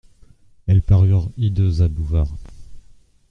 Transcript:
Elles parurent hideuses à Bouvard.